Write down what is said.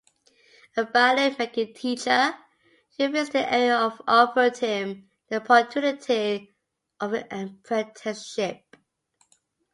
A violin-making teacher who visited the area offered him the opportunity of an apprenticeship.